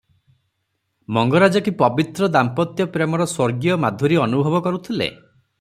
ମଙ୍ଗରାଜ କି ପବିତ୍ର ଦାମ୍ପତ୍ୟ ପ୍ରେମର ସ୍ୱର୍ଗୀୟମାଧୁରୀ ଅନୁଭବ କରୁଥିଲେ?